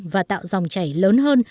và tạo dòng chảy lớn hơn